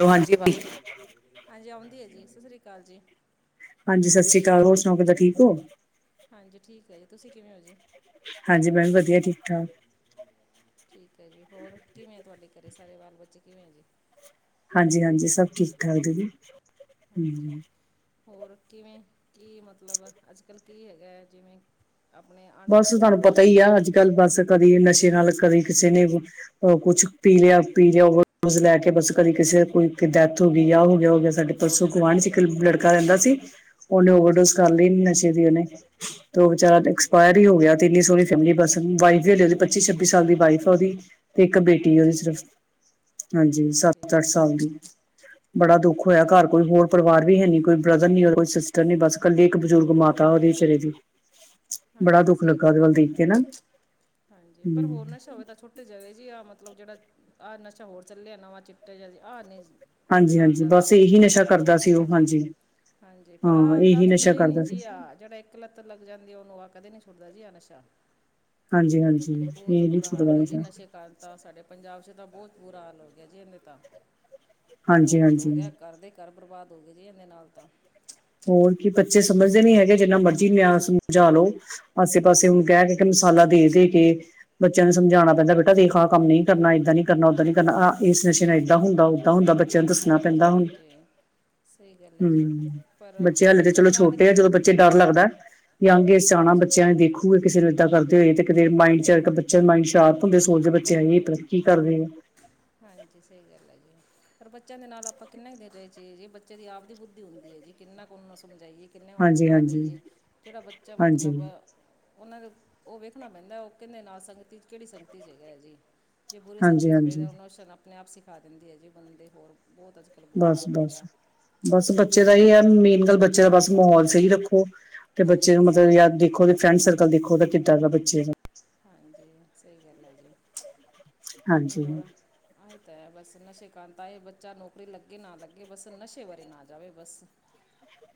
ਲੋ, ਹਾਂਜੀ ਹਾਂਜੀ ਆਉਂਦੀ ਐ ਜੀ ਸਤਿ ਸ੍ਰੀ ਕਾਲ ਜੀ। ਹਾਂਜੀ, ਸਤਿ ਸ਼੍ਰੀ ਕਾਲ, ਹੋਰ ਸੁਣਾਓ ਕਿੱਦਾ ਠੀਕ ਹੋ? ਹਾਂਜੀ ਠੀਕ ਏ, ਤੁਸੀਂ ਕਿਵੇਂ ਹੋ ਜੀ? ਹਾਂਜੀ, ਮੈਂ ਵੀ ਵਧੀਆ ਠੀਕ-ਠਾਕ। ਠੀਕ ਏ ਜੀ, ਹੋਰ ਕਿਵੇਂ ਏ ਤੁਹਾਡੇ ਘਰੇ ਸਾਰੇ ਬਾਲ ਬੱਚੇ ਕਿਵੇਂ ਏ ਜੀ? ਹਾਂਜੀ-ਹਾਂਜੀ ਸਭ ਠੀਕ-ਠਾਕ ਦੀਦੀ ਹਾਂਜੀ ਹਮ। ਹੋਰ ਕਿਵੇਂ ਕੀ ਮਤਲਬ ਅੱਜ ਕੱਲ੍ਹ ਕੀ ਹੈਗਾ ਜਿਵੇਂ ਆਪਨੇ ਆਂਢ-ਗੁਆਂਢ 'ਚ ਕੋਈ ਹੈਗਾ। ਲ ਬਸ ਕਰੀਏ ਨਸ਼ੇ ਨਾਲ ਕਦੀ ਕਿਸੇ ਨੇ ਔ ਕੁੱਛ ਪੀ ਲਿਆ-ਪੀ ਲਿਆ ਹੋਰ। ਬਸ ਲੈ ਕੇ ਬਸ ਕਦੀ ਕਿਸੇ ਕੋਈ ਡੈਥ ਹੋ ਗਈ ਯਾਂ ਔ ਗਿਆ ਔ ਗਿਆ ਸਾਡੇ ਪਰਸੋਂ ਗੁਆਂਢ 'ਚ ਇੱਕ ਲੜਕਾ ਰੈਂਦਾ ਸੀ ਉਨੇ ਹਾਂਜੀ ਓਵਰਡੋਜ ਕਰ ਲਈ ਨਸ਼ੇ ਦੀ ਉਨੇ ਤੇ ਔ ਵਿਚਾਰਾ ਹਾਂਜੀ ਐਕਸਪਾਇਰ ਹੀ ਹੋ ਗਿਆ ਤੇ ਇੰਨੀ ਸੋਹਨੀ ਫੈਮਿਲੀ ਬਸ ਵਾਈਫ ਵੀ ਹਲੇ ਉਹਦੀ ਪੱਚੀ-ਛੱਬੀ ਸਾਲ ਦੀ ਵਾਈਫ ਐ ਉਦੀ। ਤੇ ਇੱਕ ਬੇਟੀ ਏ ਉਦੀ ਹਾਂਜੀ ਸਿਰਫ। ਹਾਂਜੀ, ਸੱਤ-ਅੱਠ ਸਾਲ ਦੀ ਬੜਾ ਦੁੱਖ ਹੋਇਆ ਘਰ ਠੀਕ ਕੋਈ ਹੋਰ ਪਰਿਵਾਰ ਵੀ ਹੈ ਨੀ ਕੋਈ ਬ੍ਰਦਰ ਨੀ ਔਦੇ ਕੋਈ ਸਿਸਟਰ ਨੀ ਬਸ ਘਰ ਕੱਲੀ ਇੱਕ ਬਜ਼ੁਰਗ ਮਾਤਾ ਉਹਦੇ ਵਿਚਾਰੇ ਦੀ। ਬੜਾ ਹਾਂਜੀ, ਦੁੱਖ ਸਹੀ ਲੱਗਾ ਉਹਦੇ ਗੱਲ ਏ ਵੱਲ ਜੀ, ਦੇਖ ਕੇ ਨਾ ਹਾਂਜੀ ਹੂੰ ਪਰ ਹੋਰ ਨਸ਼ਾ ਹੋਵੇ ਤਾਂ ਛੁ [unintelligible] ਆ ਮਤਲਬ ਜੇੜਾ ਆ ਨਸ਼ਾ ਹੋਰ ਚੱਲਿਆ ਨਵਾਂ ਚਿੱਟਾ ਜਿਆ ਜੀ ਆ ਨਹੀ ਜੀ ਏਂਦੇ ਹਾਂਜੀ ਨਾਲ ਹਾਂਜੀ ਜਾਦਾ ਬਸ ਹੋਰ ਇਹੀ ਸਿਸਟਮ ਨਸ਼ਾ ਖ਼ਰਾਬ ਹੋ ਕਰਦਾ ਸੀ ਉਹ ਜਾਂਦਾ ਜੇ। ਹਾਂਜੀ ਹਾਂਜੀ, ਪਰਾ ਹਾਂ ਆਦਾਂ ਇਹੀ ਨਸ਼ਾ ਛੁਟਦੇ ਨੀ ਕਰਦਾ ਸੀ ਜੀ ਆ ਜੇੜਾ ਇੱਕ ਲੱਤ ਲੱਗ ਜਾਂਦੀ ਆ ਉਨੂੰ ਆ ਕਦੇ ਨੀ ਛੁਟਦਾ ਜੀ ਆ ਨਸ਼ਾ। ਹਾਂਜੀ ਹਾਂਜੀ ਬੋਤ ਇਹ ਨੀ ਬੁਰਾ ਛੁੱਟਦਾ ਹਾਲ ਹੈ ਜੀ ਨਸ਼ਾ ਨਸ਼ੇ [unintelligible] ਤਾਂ ਸਾਡੇ ਪੰਜਾਬ 'ਚ ਤਾਂ ਬੋਤ ਬੁਰਾ ਹਾਲ ਹੋ ਗਿਆ ਜੀ [unintelligible] ਤਾਂ ਹਾਂਜੀ ਬੋਤ ਹਾਂਜੀ ਹੋ ਗਿਆ ਘਰ ਦੇ ਘਰ ਬਰਬਾਦ ਹੋ ਗਏ ਜੀ ਇਦੇ ਨਾਲ ਤਾਂ। ਹੋਰ ਕੀ ਬੱਚੇ ਸਮਝਦੇ ਨੀ ਹੈਗੇ ਜਿੰਨਾ ਮਰਜੀ ਨਿਆਂ ਸਮਝਾ ਲੋ ਆਸੇ-ਪਾਸੇ ਹੁਣ ਕਹਿ ਹਾਂਜੀ ਕੇ। [unintelligible] ਲਾ ਦੇ-ਦੇ ਕੇ ਬੱਚਿਆਂ ਨੂੰ ਸਮਝਾਣਾ ਪੈਂਦਾ ਬੇਟਾ ਦੇਖ ਆ ਕੰਮ ਨਈ ਕਰਨਾ ਏਦਾਂ ਨੀ ਕਰਨਾ ਓਦਾਂ ਨੀ ਕਰਨਾ ਹਾਂਜੀ ਆ ਇਸ ਨਸ਼ੇ ਨਾ ਏਦਾਂ ਹੁੰਦਾ ਓਦਾਂ ਹੁੰਦਾ ਬੱਚਿਆਂ ਨੂੰ ਹਾਂਜੀ ਦੱਸਣਾ ਹਾਂਜੀ ਪੈਂਦਾ ਹੁਨ। ਹਾਂਜੀ ਸਹੀ ਗੱਲ ਐ ਜੀ। ਪਰ ਬੱਚੇ ਹਲੇ ਤੇ ਬੱਚਿਆਂ ਚਲੋ ਦੇ ਨਾਲ ਛੋਟੇ ਆ ਜਦੋਂ ਬੱਚੇ ਡਰ ਲੱਗਦਾ ਯੰਗ ਏਜ਼ 'ਚ ਆਣਾ ਹਾਂਜੀ ਬੱਚਿਆਂ ਨੇ ਦੇਖੋ। ਪੂਰੇ ਕਿਸੇ ਨੂੰ ਏਦਾਂ ਕਰਦੇ ਹੋਏ ਤੇ ਕਿਤੇ ਮਾਇੰਡ ਚ ਬੱਚੇ ਮਾਇੰਡ ਸ਼ਾਰਪ ਹੁੰਦੇ ਸੋਚਦੇ ਬੱਚੇ ਐ ਤਰੱਕੀ ਕਰ ਰਏ। ਹਾਂਜੀ, ਸਈ ਗੱਲ ਹੈ ਜੀ। ਪਰ ਬੱਚਿਆਂ ਦੇ ਨਾਲ ਆਪਾਂ ਕਿੰਨਾ ਹੀ ਦੇਰ ਰਹੀਏ ਜੀ ਬੱਚੇ ਦੀ ਆਪ ਦੀ ਬੁੱਧੀ ਹੁੰਦੀ ਏ ਜੀ ਕਿੰਨਾ ਕੁ ਉਨੂੰ ਸਮਝਾਈਏ। ਕਿੰਨੇ ਉਹਨਾਂ ਦੇ ਨਾਲ ਹਾਂਜੀ-ਹਾਂਜੀ, ਰਈਏ ਕੇੜਾ ਬੱਚਾ ਹਾਂਜੀ, ਮਤਲਬ ਉਨਾਂ ਨੂੰ ਔ ਵੇਖਣਾ ਪੈਂਦਾ ਔ ਕਿਦੇ ਨਾਲ ਸੰਗਤੀ 'ਚ ਕੇੜੀ ਸੰਗਤੀ 'ਚ ਹੈਗਾ ਏ ਜੀ। ਜੇ ਬੁਰੀ ਸੰਗਤੀ 'ਚ ਹਾਂਜੀ-ਹਾਂਜੀ ਵੇਖਦਾ ਇਮੋਸ਼ਨ ਆਪਨੇ ਆਪ ਸਿਖਾ ਦਿੰਦੀ ਏ ਜੀ ਬੰਦੇ ਹੋਰ ਬਹੁਤ ਅਜ ਬੁਰਾ ਬਸ-ਬਸ। ਬਸ ਹਾਲ ਹੋ ਬਸ ਗਿਆ। ਬਸ ਬੱਚੇ ਦਾ ਏਈ ਐ ਹਾਂ ਮੇਨ ਗੱਲ ਬੱਚੇ ਦਾ ਬਸ ਮਾਹੌਲ ਸਈ ਰੱਖੋ। ਤੇ ਬੱਚੇ ਹਾਂਜੀ ਨੂੰ ਸਹੀ ਮਤਲਬ ਯਾ ਦੇਖੋ ਉਦੇ ਫਰੈਂਡ ਸਰਕਲ ਦੇਖੋ ਉਦਾ ਕਿੱਦਾਂ ਦਾ ਬੱਚੇ ਨੂੰ ਹਾਂਜੀ ਸਹੀ ਗੱਲ ਹੈ ਜੀ ਹਾਂਜੀ। ਹੋਰ ਹਾਂ ਏ ਤਾਂ ਹੈ ਬਸ ਨਸ਼ੇ ਕਾਂ ਤਾਂ ਏ ਬੱਚਾ ਨੌਕਰੀ ਲੱਗੇ ਨਾ ਲੱਗੇ ਬਸ ਨਸ਼ੇ ਵਾਰੇ ਨਾ ਜਾਵੇ ਬਸ [inaudible]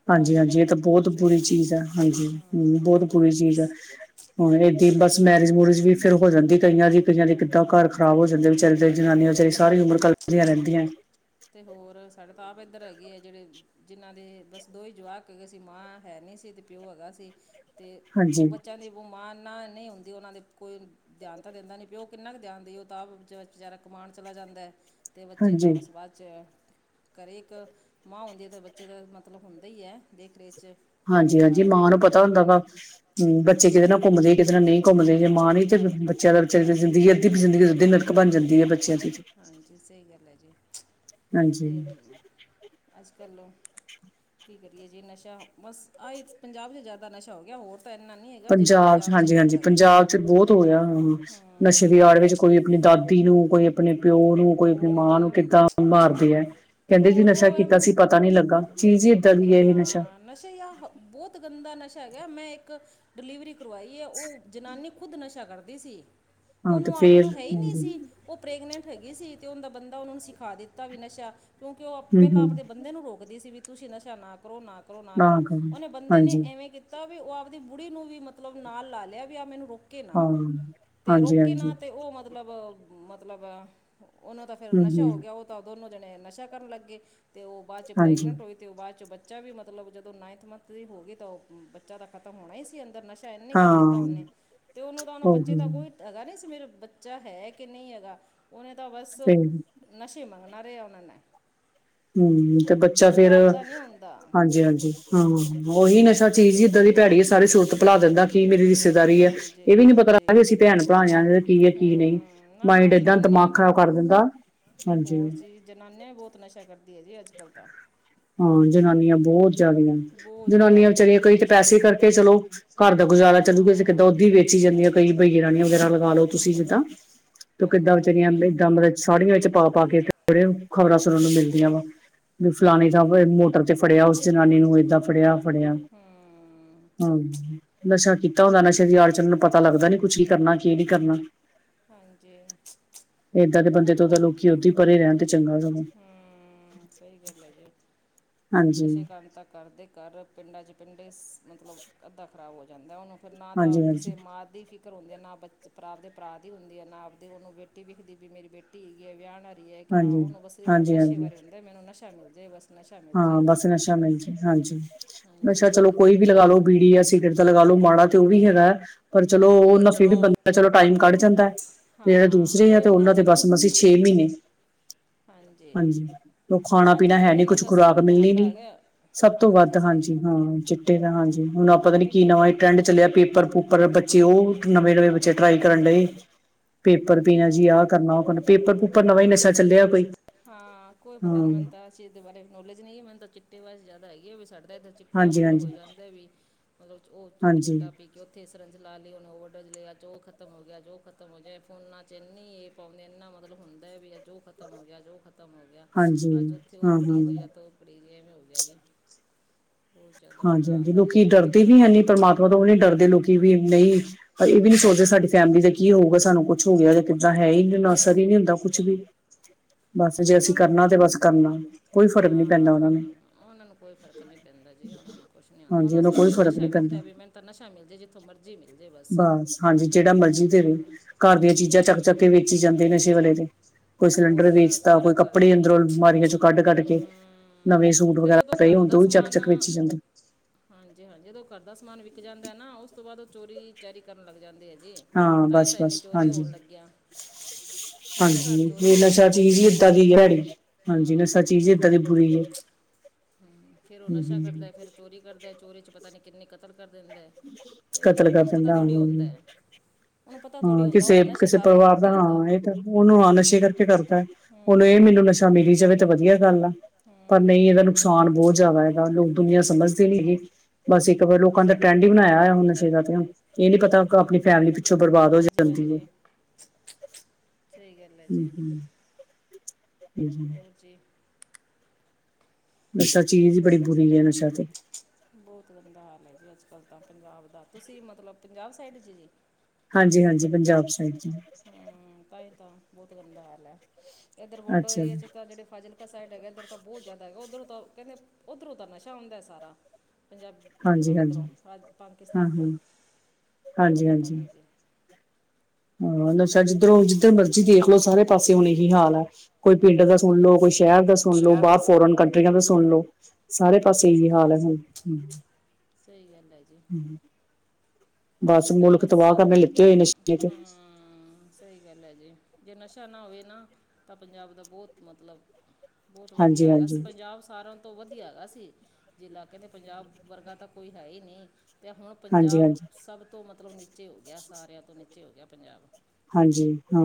ਹਾਂਜੀ ਆਈ ਹਾਂਜੀ ਇਹ ਤਾਂ ਹੋਣਾ ਬਹੁਤ ਬੁਰੀ ਚਾਹੀਦਾ ਜੀ ਚੀਜ਼ ਹੈ ਹਾਂਜੀ ਹਮ ਬਹੁਤ ਹਾਂ ਬੁਰੀ ਚੀਜ਼ ਹੈ ਹੁਣ ਏਦਾ ਹੀ ਆਏ ਬਸ ਮੈਰਿਜ ਮੂਰਿਜ ਵੀ ਫਿਰ ਹੋ ਜਾਂਦੀ ਕਈਆਂ ਦੀ ਕਈਆਂ ਦੀ ਕਿੱਦਾਂ ਘਰ ਖਰਾਬ ਹੋ ਜਾਂਦੇ ਵਿਚਾਰੇ ਦੇ ਜਨਾਨੀਆਂ ਵਿਚਾਰੀ ਸਾਰੀ ਉਮਰ ਕੱਲਪਦੀਆਂ ਰਹਿੰਦੀਆਂ ਤੇ ਹੋਰ ਸਾਡੇ ਤਾਂ ਆਪ ਇੱਧਰ ਹੈਗੇ ਆ ਜਿਹੜੇ ਜਿਹਨ੍ਹਾਂ ਦੇ ਬਸ ਦੋ ਹੀ ਜਵਾਕ ਹੈਗੇ ਸੀ ਮਾਂ ਹੈ ਨਹੀਂ ਸੀ ਤੇ ਪਿਓ ਹੈਗਾ ਸੀ ਤੇ ਉਹ ਹਾਂਜੀ ਬੱਚਿਆਂ ਦੀ ਮਾਂ ਨਾਲ ਨਹੀਂ ਹੁੰਦੀ ਉਹਨਾਂ ਦੇ ਕੋਈ ਧਿਆਨ ਤਾਂ ਦਿੰਦਾ ਨਹੀਂ ਪਿਓ ਕਿੰਨਾ ਕ ਧਿਆਨ ਦੇ ਉਹ ਤਾਂ ਆਪ ਵਿਚਾ ਵਿਚਾਰਾ ਕਮਾਣ ਚਲਾ ਜਾਂਦਾ ਤੇ ਬੱਚੇ ਹਾਂਜੀ ਤਾਂ ਬਸ ਅੱਜ ਹੈ ਘਰ ਇੱਕ ਮਾਂ ਹੁੰਦੀ ਹੈ ਤੇ ਬੱਚੇ ਦਾ ਮਤਲਬ ਹੁੰਦਾ ਹੀ ਹੈ ਦੇਖ ਰੇਖ ਚ ਕਿਵੇਂ ਹਾਂਜੀ ਤਿਆਣ ਹਾਂਜੀ ਰੱਖਣਾ ਮਾਂ ਨੂੰ ਹੁੰਦਾ ਪਤਾ ਕਿਵੇਂ ਵਾ ਨੀ ਬੱਚੇ ਕਿਹਦੇ ਨਾਲ ਹਮ ਘੁੰਮਦੇ ਕਿਹਦੇ ਨਾਲ ਨਹੀਂ ਘੁੰਮਦੇ ਜੇ ਮਾਂ ਨੀ ਹਾਂਜੀ ਤੇ ਹਾਂ ਜੀ ਦਾ ਬੱਚਿਆਂ ਦੀ ਜ਼ਿੰਦਗੀ, ਅੱਧੀ ਵੀ ਜ਼ਿੰਦਗੀ, ਅੱਧੀ ਨਰਕ ਬਣ ਜਾਂਦੀ ਏ, ਬੱਚਿਆਂ ਦੀ ਹਾਂਜੀ, ਸਹੀ ਗੱਲ ਏ ਜੀ ਹਾਂਜੀ ਤੇ ਅੱਜ ਕੱਲ੍ਹ ਕੀ ਕਰੀਏ ਜੀ ਨਸ਼ਾ, ਬਸ ਆਹੀ ਪੰਜਾਬ 'ਚ ਜ਼ਿਆਦਾ ਨਸ਼ਾ ਹੋ ਗਿਆ ਹੋਰ ਤਾਂ ਇੰਨਾ ਨਹੀਂ ਏ ਪੰਜਾਬ 'ਚ, ਹਾਂਜੀ ਹਾਂਜੀ, ਪੰਜਾਬ ਬਹੁਤ ਹੋ ਗਿਆ, ਨਸ਼ੇ ਦੀ ਆੜ ਹਾਂ ਵਿੱਚ ਕੋਈ ਆਪਣੀ ਦਾਦੀ ਨੂੰ, ਕੋਈ ਆਪਣੇ ਪਿਓ ਨੂੰ ਕੋਈ ਆਪਣੀ ਹੋਰ ਮਾਂ ਨੂੰ ਕਿੱਦਾਂ ਆ ਮਾਰਦੀ ਏ। ਅਤੇ ਕਹਿੰਦੇ ਜੀ ਹੋਰ ਨਸ਼ਾ ਕੀਤਾ ਸੀ ਉਹ ਪਤਾ ਨੀ ਲੱਗਾ, ਚੀਜ਼ ਈ ਏਦਾਂ ਦੀ ਏ ਇਹ ਨਸ਼ਾ। ਹਾਂ ਨਸ਼ੇ ਯ ਬਹੁਤ ਗੰਦਾ ਨਸ਼ਾ ਹੈਗਾ ਏ, ਮੈਂ ਇੱਕ ਡਿਲੀਵਰੀ ਕਰਵਾਈ ਐ ਓਹ ਜਨਾਨੀ ਖੁਦ ਨਸ਼ਾ ਕਰਦੀ ਸੀ, ਹਾਂ ਤੇ ਉਹਨੂੰ ਆਪ ਫੇਰ ਨੂੰ ਹੈ ਈ ਨੀਂ ਹਾਂਜੀ ਸੀ। ਉਹ ਪ੍ਰੈਗਨੈਂਟ ਹੈਗੀ ਸੀ ਤੇ ਉਂਹਦਾ ਬੰਦਾ ਓਨੂੰ ਸਿੱਖਾ ਦਿੱਤਾ ਵੀ ਨਸ਼ਾ ਕਿਉਂਕਿ ਓਹ ਹੂੰ ਪਹਿਲਾਂ ਹੂੰ ਅਪਦੇ ਬੰਦੇ ਨੂੰ ਰੋਕਦੀ ਸੀ, ਵੀ ਤੁਸੀਂ ਨਸ਼ਾ ਨਾ ਕਰੋ ਨਾ ਕ ਤਾਂ ਕਰ ਓਨੇ ਬੰਦੇ ਨੇ ਹਾਂਜੀ ਐਵੇਂ ਤਾ ਵੀ ਉਹ ਆਪਦੀ ਬੁੜੀ ਨੂੰ ਵੀ ਮਤਲਬ ਨਾਲ ਲਾ ਲਿਆ ਵੀ ਆ ਮੈਨੂੰ ਰੋਕ ਕੇ ਨਾ ਹਾਂ ਤੇ ਹਾਂਜੀ ਰੋਕੇ ਹਾਂਜੀ ਨਾ ਤੇ ਉਹ ਮਤਲਬ, ਮਤਲਬ ਓਨੂੰ ਤਾਂ ਫਿਰ ਹੂੰ ਨਸ਼ਾ ਹੂੰ ਹੋ ਗਿਆ, ਉਹ ਤਾਂ ਦੋਨੋਂ ਜਣੇ ਨਸ਼ਾ ਕਰਨ ਲਾਗੇ ਤੇ ਉਹ ਬਾਦ 'ਚ ਹਾਂਜੀ ਪ੍ਰੈਗਨੈਂਟ ਹੋਈ ਤੇ ਓ ਬਾਅਦ ਚ ਬੱਚਾ ਵੀ ਮਤਲਬ, ਜਦੋਂ ਨਾਈਨਥ ਮੰਥ ਦੀ ਹੋ ਗਈ ਤਾਂ ਉਹ ਬੱਚਾ ਦਾ ਖ਼ਤਮ ਹੋਣਾ ਈ ਸੀ ਅੰਦਰ ਨਸ਼ਾ ਧਿਆਨ ਕਰ ਹਾਂ ਲਿੱਤਾ ਓਨੇ ਤੇ ਉਨੂੰ ਤਾਂ ਹੁਣ ਬੱਚੇ ਉਹੀ ਦਾ ਕੋਈ ਹੈਗਾ ਨਹੀਂ ਸੀ, ਮੇਰਾ ਬੱਚਾ ਹੈ ਕਿ ਨਈਂ ਹੈਗਾ ਓਨੇ ਤਾਂ ਬਸ ਫੇਰ ਨਸ਼ੇ ਮਗਂਣਾ ਰੇਆ ਓਨਾ ਨੇ। ਹਮ ਤੇ ਬੱਚਾ ਉਹਨੂੰ ਫੇਰ ਆਪਦਾ ਨਹੀਂ ਹੁੰਦਾ ਹਾਂਜੀ-ਹਾਂਜੀ, ਹਾਂ, ਓਹੀ ਨਸ਼ਾ ਨਸ਼ਾ ਚੀਜ਼ ਈ ਲੇਡੀਜ਼ ਏਦਾਂ ਦੀ ਵੀ ਭੈੜੀ ਏ, ਸਾਰੀ ਸੁਰਤ ਭੁਲਾ ਦੇਂਦਾ। ਕੀ ਮੇਰੀ ਰਿਸ਼ਤੇਦਾਰੀ ਐ, ਇਹ ਹਾਂਜੀ ਵੀ ਨੀ ਪਤਾ ਲਦਾ ਹਾਂਜੀ ਵੀ ਅਸੀਂ ਭੈਣ ਭਰਾ ਇਆ, ਕੀ ਐ ਹੂੰ ਕੀ ਨਹੀਂ, ਨਾ ਨਾ ਮਾਇੰਡ ਏਦਾਂ ਜਨਾਨੀਆਂ ਦਿਮਾਗ ਵੀ ਖਰਾਬ ਕਰ ਦਿੰਦਾ, ਹਾਂਜੀ। ਹੋਰ ਜੀ ਜਨਾਨੀਆਂ ਵੀ ਬਹੁਤ ਨਸ਼ਾ ਕਰਦੀ ਏ ਜੀ ਅੱਜ ਕੱਲ੍ਹ ਤਾਂ ਹਾਂ, ਜਨਾਨੀਆਂ ਬਹੁਤ ਜ਼ਿਆਦਾ ਈਆ। ਬਹੁਤ ਜ਼ਿਆਦਾ ਜਨਾਨੀਆਂ ਹੋ ਗਈ ਜੀ ਵਿਚਾਰੀਆਂ ਕਈ ਤੇ ਵੇਚ ਪੈਸੇ ਕਰਕੇ ਚਲੋ ਘਰ ਦਾ ਗੁਜ਼ਾਰਾ ਚੱਲੂਗਾ ਤੇ ਹਾਂ ਦੁੱਧ ਈ ਵੇਚੀ ਜਾਂਦੀਆਂ। ਕਈ ਬਈਰਾਣੀਆ ਵਗੈਰਾ ਲਗਾ ਲਓ ਤੁਸੀਂ ਜਿੱਦਾਂ ਤੇ ਕਿੱਦਾਂ ਹਾਂਜੀ ਵਿਚਾਰੀਆਂ ਹਾਂਜੀ ਇੱਦਾਂ ਮਤਲਬ ਸਾੜੀਆਂ ਵਿੱਚ ਪਾ-ਪਾ ਕੇ ਖ਼ਬਰਾਂ ਸੁਣਨ ਨੂੰ ਮਿਲਦੀਆਂ ਵਾ ਵੀ ਫਲਾਣੇ ਹਾਂਜੀ ਹੋਟਲ ਚ ਫੜਿਆ ਓਸ ਜਨਾਨੀ ਨੂੰ ਏਦਾਂ ਫੜਿਆ ਫੜਿਆ, ਹੂੰ ਹਾਂ। ਨਸ਼ਾ ਕੀਤਾ ਹੁੰਦੇ, ਅਤੇ ਨਸ਼ੇ ਦੀ ਆੜ ਚ ਓਨਾ ਨੂੰ ਪਤਾ ਲੱਗਦਾ ਨੀ ਕੁਛ, ਕੀ ਕਰਨਾ ਕੀ ਨਈਂ ਕਰਨਾ। ਹਾਂਜੀ ਏਦਾਂ ਦੇ ਬੰਦੇ ਬੋਲ ਤੋਂ ਤਾਂ ਲੋਕੀ ਓਦਾ ਈ ਪਰੇ ਰਹਿਣ ਤੇ ਚੰਗਾ ਰਹਿੰਦਾ ਹਮਮ, ਸਈ ਗੱਲ ਐ ਜੀ। ਹਾਂਜੀ ਨਸ਼ੇ ਕਾਰਨ ਤਾਂ ਘਾਰਦੇ ਘਰ ਪਿੰਡਾਂ ਚ ਪਿੰਡੇ ਮਤਲਬ ਅੱਧਾ ਖ਼ਰਾਬ ਹੋ ਜਾਂਦਾ ਉਹਨਾ ਨਾ ਤਾਂ ਹਾਂਜੀ ਕਿਸੇ ਹਾਂਜੀ ਮਾਂ ਦੀ ਫ਼ਿਕਰ ਹੁੰਦੀ ਆ ਨਾ ਬੱਚ ਭਰਾ ਦੇ ਪਰਾ ਦੀ ਹੁੰਦੀ ਐ, ਨਾ ਆਪਦੀ ਉਹਨੂੰ ਬੇਟੀ ਵਿਖਦੀ ਵੀ, ਮੇਰੀ ਬੇਟੀ ਇਗੀ ਹੈ ਵਿਆਣ ਆਲੀ। ਹੈ ਕਿ ਹਾਂ ਹਾਂਜੀ ਉਹਨੂੰ ਬਸ ਸਿਰਫ਼ ਹਾਂਜੀ ਨਸ਼ੇ ਹਾਂਜੀ ਬਾਰੇ ਹੁੰਦੇਂ, ਮੈਨੂੰ ਨਸ਼ਾ ਮਿਲ ਜਾਏ ਬਸ। ਨਸ਼ਾ ਮਿਲ ਹਾਂ, ਜਾਏ ਬਸ ਨਸ਼ਾ ਮਿਲ ਜੇ ਹਾਂਜੀ, ਹਾਂਜੀ ਨਸ਼ਾ ਸਹੀ ਚਲੋ ਗੱਲ ਹੈ ਕੋਈ ਵੀ ਜੀ ਲਗਾ ਲੋ। ਬੀੜੀ ਜਾਂ ਸਿਗਰਟ ਤਾਂ ਲਗਾ ਲੋ ਮਾੜਾ ਤੇ ਓਹ ਵੀ ਹੈਗਾ ਐ। ਪਰ ਚਲੋ, ਹਾਂਜੀ ਉਹ ਨਾਲ ਫਿਰ ਵੀ ਬੰਦਾ ਚਲੋ ਟਾਈਮ ਕਢ ਜਾਂਦਾ ਏ ਤੇ ਜਿਹੜੇ ਹਾਂ ਦੂਸਰੇ ਆ ਉਹ ਤੇ ਇੰਨਾ ਉਹਨਾਂ ਦੇ ਚੱਲ ਬਸ ਮਸੀ ਛੇ ਮਹੀਨੇ। ਹਾਂਜੀ, ਉਹ ਖਾਣਾ ਆਹ ਪੀਣਾ ਚਿੱਟੇ ਹੈ ਦਾ ਨੀ ਕੁਛ ਨਸ਼ਾ ਖੁਰਾਕ ਸਾਰਿਆਂ ਤੋਂ ਮਿਲਣੀ ਵੱਡਾ ਨੀ ਹੈਗਾ ਐ। ਸਭ ਤੋਂ ਵੱਧ ਹਾਂਜੀ ਹਾਂ, ਚਿੱਟੇ ਦਾ ਹਾਂ ਹਾਂਜੀ, ਹੁਣ ਆ ਪਤਾ ਨੀ ਕੀ ਚਿੱਟੇ ਦਾ ਨਵਾਂ ਈ ਟਰੈਂਡ ਚੱਲਿਆ ਪੇਪਰ ਪੂ ਓ ਬੱਚੇ, ਉਹ ਨਵੇਂ-ਨਵੇਂ ਬੱਚੇ ਟਰਾਈ ਕਰਨ ਡਏ, ਪੇਪਰ ਪੀਣਾ ਹਾਂਜੀ ਜੀ, ਆਹ ਕਰਨਾ ਉਹ ਕਰਨਾ ਪੇਪਰ ਪੁ ਹਾਂ, ਕੋਈ ਹਾਂ ਪਤਾ ਨੀ ਮੈਂਨੂੰ ਤਾਂ ਚੀਜ਼ ਦੇ ਬਾਰੇ ਨੌਲੇਜ ਨਹੀਂ ਐ, ਮੈਨੂੰ ਤਾਂ ਚਿੱਟੇ ਬਾਰੇ ਜ਼ਿਆਦਾ ਐ ਗੀ ਸਾਡੇ ਤਾਂ ਇੱਧਰ ਚਿੱਟਾ ਹਾਂਜੀ ਮਤਲਬ ਹਾਂਜੀ ਹੋ ਜਾਂਦਾ ਵੀ, ਮਤਲਬ ਉਹ ਚਿੱਟਾ ਹਾਂਜੀ ਪੀ ਕਿ ਉੱਥੇ ਇਸ ਸਰਿੰਜ ਲਾ ਲਈ, ਓਨੇ ਓਵਰਡੋਜ ਲਿਆ ਚ ਉਹ ਖਤਮ ਹੋ ਗਿਆ, ਜੋ ਖਤਮ ਹੋ ਜਾਏ ਫੋਨਾਂ ਚ ਇੰਨੀ ਇਹ ਪਾਉਂਦੇ ਇੰਨਾ ਮਤਲਬ ਹੁੰਦਾ ਵੀ ਅੱਜ ਓਹ ਖਤਮ ਹੋ ਗਿਆ, ਅੱਜ ਓਹ ਖਤਮ ਹੋ ਗਿਆ, ਹਾਂਜੀ ਅੱਜ ਉੱਥੇ ਉਹ ਹਾਂ ਫੜੀ ਹਾਂ ਗਿਆ ਤੋ ਐਵੇਂ ਹੋ ਗਿਆ ਜੀ, ਬਹੁਤ ਜ਼ਿਆਦਾ ਬੁਰਾ ਹਾਂਜੀ ਹਾਂਜੀ ਹਾਲ ਹੈਗੇ ਲੋਕੀ ਅੱਜ ਕੱਲ੍ਹ ਡਰਦੇ ਤਾਂ। ਵੀ ਹੈ ਨੀ ਪਰਮਾਤਮਾ ਤੋਂ ਵੀ ਨੀ ਡਰਦੀ ਲੋਕੀ, ਵੀ ਨਹੀਂ ਇਹ ਵੀ ਨੀ ਸੋਚ ਜੇ ਸਾਡੀ ਫੈਮਿਲੀ ਦਾ ਕੀ ਹੋਊਗਾ ਸਾਨੂੰ ਕੁਛ ਹੋ ਗਿਆੇ ਕਿੱਦਾਂ ਹੈ ਪੁੱਛੂਗੀ ਹੀ ਅਜੇ ਨ ਅਸਰ ਹੀ ਨਹੀਂ ਹੁੰਦਾ ਕੁਛ ਵੀ ਬਸ ਜੇ ਉਹਨਾਂ ਅਸੀਂ ਨੂੰ ਕਰਨਾ ਤੇ ਬਸ ਕਰਨਾ ਕੋਈ ਹਾਂ ਫ਼ਰਕ ਨਹੀਂ ਪੈਂਦਾ ਉਹਨਾ ਨੂੰ। ਉਹਨਾਂ ਨੂੰ ਕੋਈ ਫਰਕ ਨਹੀਂ ਪੈਂਦਾ ਜੀ ਉਹਨਾਂ ਨੂੰ ਕੁਛ ਨਹੀਂ ਆਉਂਦਾ ਹਾਂਜੀ ਉਹਨੂੰ ਕੋਈ ਸਿਰਫਿਰ ਫ਼ਰਕ ਨਸ਼ਾ ਨੀ ਪੈਂਦਾ ਵੇਖਦਾ ਵੀ ਮੈ ਤਾਂ ਨਸ਼ਾ ਮਿਲ ਜ ਜਿੱਥੋਂ ਮਰਜ਼ੀ ਮਿਲ ਜੇ ਬਸ ਹਾਂਜੀ ਜਿਹੜਾ ਮਰਜ਼ੀ ਦੇਵੇ ਹਮ, ਘਰ ਦੀਆਂ ਚੀਜ਼ਾਂ ਚੱਕ ਚੱਕ ਕੇ ਵੇਚੀ ਜਾਂਦੇ ਨਸ਼ੇ ਵੇਲੇ ਦੇ ਕੋਈ ਹੋਰ ਸਿਲੰਡਰ ਵੇਚਤਾ ਸਾਰਾ ਕੋਈ ਕੱਪੜੇ ਕਰਦਾ ਅੰਦਰੋਂ ਅਲਮਾਰੀਆਂ ਚੋਂ ਕੱਢ ਕੱਢ ਕੇ ਨਵੇਂ ਹਮ, ਸੂਟ ਤੇ ਵਗੈਰਾ ਜਦੋਂ ਪਏ ਹੁੰਦੇ ਕਰਦਾ ਉਹ ਵੀ ਚੱਕ ਸਮਾਨ ਚੱਕ ਵੇਚੀ ਜਾਂਦੇ ਹਾਂਜੀ ਹਾਂਜੀ ਜਦੋਂ ਘਰ ਦਾ ਸਮਾਨ ਵਿਕ ਜਾਂਦਾ ਹੈ ਨਾ ਉਸ ਤੋਂ ਬਾਅਦ ਉਹ ਚੋਰੀ ਚੈਰੀ ਕਰਨ ਲੱਗ ਜਾਂਦੇ ਹੈ ਜੀ ਹਾਂ ਤਾਂ ਹੀ ਬਸ ਤਾਂ ਇਨਨੀ ਬਸ ਚੋਰੀ ਹੋਣ ਹਾਂਜੀ ਲੱਗਿਆ ਨਸ਼ੇ ਕਰ ਵੀ ਨਸ਼ਾ ਚੀਜ਼ ਏਦਾਂ ਦੀੜ ਹਾਂਜੀ ਨਸ਼ਾ ਹਮ, ਚੀਜ਼ ਏਦਾਂ ਦੀ ਬੁਰੀ ਹੈ ਫਿਰ ਉਹ ਨਸ਼ਾ ਹਮ ਕਰਦਾ ਫਿਰ ਚੋਰੀ ਕਰਦਾ ਚੋਰੀ 'ਚ ਪਤਾ ਨਹੀਂ ਕਿੰਨੀ ਕਤਲ ਕਰ ਦਿੰਦਾ ਤੇ ਕਤਲ ਉਹਨੂੰ ਪਤਾ ਕਪਦਾ ਆ ਥੋੜੀ ਹੁੰਦਾ ਹੈ ਉਹਨੂੰ ਪਤਾ ਥੋੜ੍ਹੀ ਹਾਂ ਹੁੰਦਾ ਕਿਸੇ ਉਹਨੂੰ ਨਸ਼ੇ ਕਿਸੇ ਕਾਰਨ ਪਰਿਵਾਰ ਦਾ ਕਰਦਾ ਉਹਦਾ ਹਾਂ ਇਹ ਤਾਂ ਉਹਨੂੰ ਹਾਂ ਨਸ਼ੇ ਕਰਕੇ ਕਰਦਾ ਉਹਨੂੰ ਇਹ ਹੂੰ ਮੈਨੂੰ ਨਸ਼ਾ ਮਿਲੀ ਜਾਵੇ ਤਾਂ ਵਧੀਆ ਗੱਲ ਆ ਪਰ ਹੂੰ ਨਹੀਂ ਇਹਦਾ ਨੂੰ ਹਾਂਜੀ ਨੁਕਸਾਨ ਬਹੁਤ ਜ਼ਿਆਦਾ ਇਹਦਾ ਲੋਕ ਦੁਨੀਆਂ ਸਮਝਦੇ ਨੀ ਗ ਬਸ ਇੱਕ ਵਾਰ ਲੋਕਾਂ ਦਾ ਹਾਂਜੀ ਟਰੈਂਡ ਬਣਾਇਆ ਹੋਇਆ ਹ ਨਸ਼ੇ ਦਾ ਤੇ ਇਹ ਨੀ ਪਤਾ ਆਪਣੀ ਹਾਂਜੀ ਫੈਮਿਲੀ ਪਿੱਛੋਂ ਬਰਬਾਦ ਹੋ ਹਾਂਜੀ ਜਾਂਦੀ ਹੈ ਹਾਂਜੀ ਸਹੀ ਗੱਲ ਹੈ ਜੀ ਹੀ ਹੋਰ ਜੀ ਨਸ਼ਾ ਚੀਜ਼ ਹੀ ਬੜੀ ਬੁਰੀ ਨਸ਼ਾ ਤੇ ਬਹੁਤ ਗੰਦਾ ਹਾਲ ਹੈ ਜੀ ਅੱਜ ਕੱਲ੍ਹ ਤਾਂ ਪੰਜਾਬ ਦਾ ਤੁਸੀਂ ਮਤਲਬ ਪੰਜਾਬ ਸਾਈਡ ਜਚ ਜੀ ਹਾਂਜੀ ਹਾਂਜੀ ਪੰਜਾਬ ਸਾਈਡ ਚ ਹਮ ਤਾਂ ਹੀ ਤਾਂ ਬਹੁਤ ਗੰਦਾ ਹਾਲ ਹੈ ਇੱਧਰ ਵੋਡੋ ਅੱਛਾ ਏਰੀਏ ਜੀ ਚ ਤਾਂ ਜਿਹੜੇ ਫਾਜ਼ਿਲ ਸਾਈਡ ਹੈਗਾ ਇੱਧਰ ਤਾਂ ਬਹੁਤ ਜ਼ਿਆਦਾ ਹੈਗਾ ਉੱਧਰੋਂ ਤਾਂ ਕਹਿੰਦੇ ਉੱਧਰੋਂ ਤਾਂ ਨਸ਼ਾ ਹੁੰਦਾ ਹੈ ਸਾ ਪੰਜਾਬ ਮਤਲਬ ਹਾਂਜੀ-ਹਾਂਜੀ, ਇੱਧਰੋਂ ਰਾਜ ਪਾਕਿਸਤਾਨ ਤੋਂ ਹਾਂ-ਹਾਂ, ਆਂ ਪਤਾ ਹਾਂਜੀ-ਹਾਂਜੀ। ਨਹੀਂ ਜੀ ਹਾਂ ਨਸ਼ਾ ਜਿੱਧਰੋਂ -ਜਿੱਧਰ ਮਰਜੀ ਦੇਖ ਲਓ, ਸਾਰੇ ਪਾਸੇ ਹੁਣ ਇਹੀ ਹਾਲ ਆ, ਕੋਈ ਪਿੰਡ ਦਾ ਸੁਣ ਹਾਂਜੀ ਲੋ, ਕੋਈ ਸ਼ਹਿਰ ਦਾ ਸੁਣ ਲੋ, ਸ਼ਹਿਰ ਬਾਹਰ ਦਾ ਫੋਰਨ ਕੰਟਰੀਆਂ ਦਾ ਸੁਣ ਲੋ, ਸਾਰੇ ਪਾਸੇ ਏਹੀ ਹਾਲ ਹਾਂਜੀ ਹੈ ਹੁਣ ਹ, ਸਹੀ ਗੱਲ ਹੈ ਜੀ ਹ, ਬਸ ਨਸ਼ੇ ਮੁਲਕ ਤਬਾਹ ਕਰਨ ਲਿੱਤੇ ਹੋਏ ਨਸ਼ੇ ਚ, ਹਾ ਸਹੀ ਗੱਲ ਹੈ ਜੀ, ਜੇ ਨਸ਼ਾ ਨਾ ਹੋਵੇ ਨਾ, ਤਾਂ ਪੰਜਾਬ ਦਾ ਬਹੁਤ ਮਤਲਬ ਬਹੁਤ ਵਧੀਆ ਹੈਗਾ, ਹਾਂਜੀ-ਹਾਂਜੀ, ਪੰਜਾਬ ਸਾਰਾ, ਤੋਂ ਵਧੀਆ ਹੈਗਾ ਸੀ ਜਿਲਾ, ਕਹਿੰਦੇ ਪੰਜਾਬ ਵਰਗਾ ਤਾਂ ਕੋਈ ਹੈ ਈ ਨਹੀਂ, ਅਤੇ ਹੁਣ ਪੰਜਾਬ ਹਾਂਜੀ-ਹਾਂਜੀ, ਸਭ ਤੋਂ ਮਤਲਬ ਨੀਚੇ ਹੋ ਗਿਆ, ਸਾਰਿਆਂ ਤੋਂ ਨੀਚੇ ਹੋ ਗਿਆ ਪੰਜਾਬ, ਹਾਂਜੀ ਹਾਂ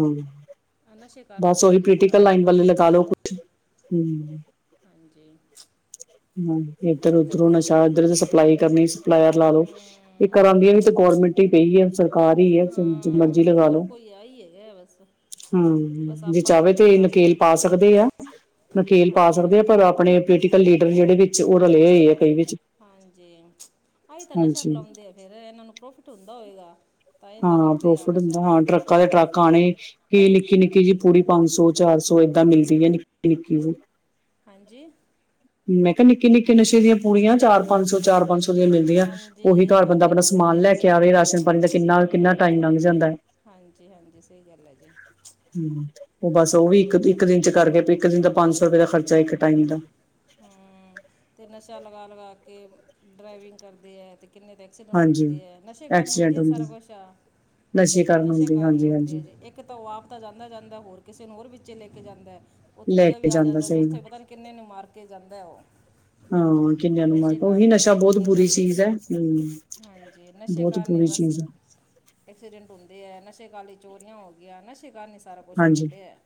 ਆਹ ਨਸ਼ੇ ਕਾਰਨ ਬਸ ਹੋਇਆ ਓਹੀ ਜੀ ਸਾਰਾ ਪੋਲੀਟੀਕਲ ਕੁਛ ਲਾਈਨ ਤਾਂ ਵਾਲੀ ਲਗਾ ਲਓ, ਹਮ ਹਾਂਜੀ। ਹਾਂ ਸਹੀ ਇੱਧਰ ਗੱਲ ਹੈ -ਉਧਰੋਂ ਜੀ ਨਸ਼ਾ ਇੱਧਰੋ ਵੀ ਸਪਲਾਈ ਕਰਨੀ ਸਪਲਾਇਰ ਲਾ ਲੋ ਇਹ ਹੂੰ ਕਰਾਂਦੀਆ ਵੀ, ਗੌਰਮੈਂਟ ਈ ਪਈ ਹੈ, ਸਰਕਾਰ ਈ ਆ, ਜੋ ਹਾਂ ਮਰਜੀ ਲਗਾ ਹੋਰ ਲੋ ਕੋਈ ਆ ਹੀ ਹੈਗਾ ਬਸ ਬਸ ਹੁ ਜੇ ਆਪਾਂ ਤਾਂ ਚਾਹਵੇ ਵੇਖਦੇ ਤੇ ਨਕੇਲ ਆਪਦੇ ਪਾ ਸਕਦੇ ਆ, ਨਕੇਲ ਪਾ ਹਾਂਜੀ ਸਕਦੇ ਆ, ਪਰ ਆਪਣੇ, ਪੋਲੀਟੀਕਲ ਲੀਡਰ ਜਿਹੜੇ ਵਿੱਚ, ਉਹ ਰਲੇ ਹੋਏ ਐ ਕਈ ਵਿੱਚ, ਹਾਂਜੀ ਤਾਂਹੀ ਤਾਂ ਨਸ਼ਾ ਹਾਂਜੀ ਫੈਲਾਉਂਦੇ ਆ ਫਿਰ, ਇਹਨਾਂ ਨੂੰ ਪ੍ਰੋਫਿਟ ਹੁੰਦਾ ਹੋਵੇਗਾ, ਹਾਂ ਪ੍ਰੋਫਿਟ ਹੁੰਦਾ ਹਾਂ, ਟਰੱਕਾਂ ਦੇ ਟਰੱਕ ਆਉਣੇ ਕਿ ਨਿੱਕੀ ਹਾਂਜੀ ਨਿੱਕੀ ਜਿ, ਪੂਰੀ ਪੰਜ ਸੌ -ਚਾਰ ਸੌ ਏਦਾਂ ਮਿਲਦੀ ਐ ਨਿੱਕੀ- ਨਿੱਕੀ ਜੇਈ, ਹਾਂਜੀ। ਮੈਂ ਕੇਆ ਨਿੱਕੇ-ਨਿੱਕੇ ਨਸ਼ੇ ਜੇ, ਪੁੜੀਆਂ ਚਾਰ ਪੰਜ ਸੌ -ਚਾਰ ਪੰਜ ਸੌ ਦੀਆਂ ਮਿਲਦੀਆਂ, ਓਹੀ ਘਰ ਬੰਦਾ ਹਾਂਜੀ ਆਪਣਾ ਸਮਾਨ ਹਾਂਜੀ ਲੈ ਕੇ ਆਵੇ ਰਾਸ਼ਨ, ਪਾਣੀ ਦਾ ਕਿੰਨਾ -ਕਿੰਨਾ ਟਾਈਮ ਹੂੰ ਲੰਘ ਜਾਂਦਾ, ਹਾਂਜੀ -ਹਾਂਜੀ ਸਈ ਗੱਲ ਐ ਜੀ, ਠੀਕ ਐ, ਤੇ ਬਸ ਉਹ ਵੀ ਇੱਕ, ਹੂੰ ਇੱਕ ਦਿਨ ਚ ਕਰਦੇ ਇੱਕ ਦਿਨ ਦਾ ਪੰਜ ਸੌ ਰੁਪਏ ਦਾ ਖਰਚਾ ਇੱਕ ਟਾਈਮ ਦਾ, ਹੂੰ ਅਤੇ ਨਸ਼ਾ ਲਗਾ -ਲਗਾ ਕੇ ਡਰਾਈਵਿੰਗ ਕਰਦੇ ਆ ਤੇ ਕਿੰਨੇ ਕਿਦਾ ਹਾਂਜੀ ਹੁੰਦੇ ਹੈ, ਨਸ਼ੇ ਕਾਰਨ ਹੁੰਦੇ ਆ ਸਾਰਾ ਕੁਛ ਆ, ਨਸ਼ੇ ਹੁੰਦੀ ਕਾਰਨ ਹਾਂਜੀ ਹੁੰਦੇ ਆ, ਹਾਂਜੀ ਜੀ ਇੱਕ, ਇੱਕ ਤਾਂ ਉਹ ਆਪ ਤਾਂ ਜਾਂਦਾ -ਜਾਂਦਾ ਹੋਰ ਕਿਸੇ ਨੂੰ ਹੋਰ ਵਿੱਚੇ ਲੈ ਕੇ ਜਾਂਦਾ, ਉਹ ਲੈ ਤੀਜਾ ਕੇ ਵੀ ਆ ਜਾਂਦਾ, ਜੋ ਸਹੀ ਗੱਲ ਉੱਥੇ ਪਤਾ ਨਈ ਕਿੰਨੇ ਨੂੰ ਮਾਰ ਕੇ ਜਾਂਦਾ ਹੈ ਉਹ। ਹਾਂ ਕਿੰਨਿਆਂ ਨੂੰ ਮਾਰ ਨਸ਼ੇ ਕੇ ਉਹੀ ਕਾਰਨ ਹੀ ਨਸ਼ਾ ਹੈ ਬਹੁਤ ਕਿੰਨੇ ਬੁਰੀ ਤੇ ਚੀਜ਼ ਹੈ ਹੁ, ਹਾਂਜੀ ਨਸ਼ੇ ਕਾਰਨ ਹੀ ਬਸ। ਐਕਸੀਡੈਂਟ ਹੁੰਦੇ ਆ, ਨਸ਼ੇ ਕਾਰਨ ਈ ਚੋਰੀਆਂ ਹੋ ਗਈਆ ਨਸ਼ੇ ਕਾਰਨ। ਸਾਰਾ ਕੁਛ ਹੋਏ ਹਾਂਜੀ ਪਿਆ,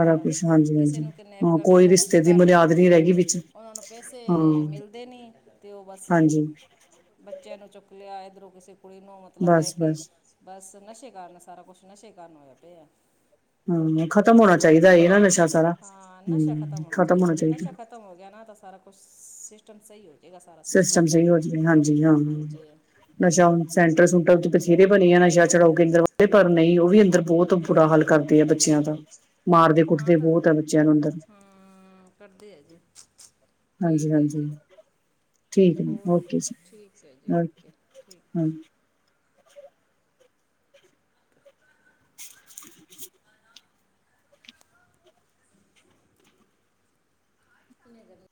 ਸਾਰਾ ਕੁਛ ਹਾਂਜੀ ਕਿਸੇ ਹਾਂਜੀ ਨੂੰ ਕਿਡਨੈਪ ਹਾਂ ਕਰਦੇ ਹੋ ਕੋਈ ਤਾਂ ਰਿਸ਼ਤੇ ਨਸ਼ੇ ਦੀ ਕਾਰਨ ਹੀ ਬੁਨਿਆਦ ਨਹੀਂ ਕਰਦੇ। ਰਹਿ ਹੈ ਗਈ ਵਿੱਚ ਉਹਨਾਂ ਨੂੰ ਪੈਸੇ ਹਾਂ ਮਿਲਦੇ ਨੀ, ਤੇ ਉਹ ਬਸ। ਹਾਂਜੀ ਬੱਚਿਆਂ ਨੂੰ ਚੁੱਕ ਲਿਆ, ਇਧਰੋਂ ਕਿਸੇ ਕੁੜੀ ਨੂੰ ਮਤਲਬ ਲੈ ਬਸ ਕੇ, ਬਸ ਬਸ ਨਸ਼ੇ ਕਾਰਨ ਸਾਰਾ ਕੁਛ ਨਸ਼ੇ ਕਾਰਨ ਹੋਇਆ ਪੇਆ, ਹਮ ਖਤਮ ਹੋਣਾ ਚਾਹੀਦਾ ਏ ਨਾ ਨਸ਼ਾ ਸਾਰਾ ਹਾਂ ਨਸ਼ਾ ਹਮ ਖਤਮ ਹੋਣਾ ਜੇ ਚਾਹੀਦਾ। ਨਸ਼ਾ ਖਤਮ ਹੋ ਗਿਆ ਨਾ ਤਾਂ ਸਾਰਾ ਕੁਛ ਸਿਸਟਮ ਸਹੀ ਹੋ‌ ਜੇ। ਹੈਗਾ ਸਾਰਾ ਸਿਸਟਮ, ਸਹੀ ਹੋ ਜਾਵੇ ਹਾਂਜੀ ਹਾਂ ਹਾਂਜੀ। ਨਸ਼ਾ ਮੁਕਤ ਸੈਂਟਰ ਸੂਟਰ ਬਥੇਰੇ ਬਨੇ ਆ, ਨਸ਼ਾ ਛੁਡਾਊ ਕੇਂਦਰ ਪਰ ਨਹੀਂ ਉਹ ਵੀ ਅੰਦਰ ਬੋਤ, ਬੁਰਾ ਹਾਲ ਕਰਦੇ ਆ ਬੱਚਿਆਂ ਦਾ, ਮਾਰਦੇ ਹਾਂ -ਕੁੱਟਦੇ ਤਾਂ ਬਹੁਤ ਆ ਬੱਚਿਆਂ ਨੂੰ ਅੰਦਰ ਹਾਂ ਕਰਦੇ ਆ ਜੀ। ਹਾਂਜੀ ਠੀਕ ਹੈ -ਹਾਂਜੀ। ਜੀ ਠੀਕ ਹੈ ਜੀ ਹੋਰ ਓਕੇ ਜੀ ਠੀਕ ਹੈ ਜੀ -ਓਕੇ ਠੀਕ ਹੈ ਹਾਂ। ਜੀ ਕੀ ਹੈਗੇ ਨੇ,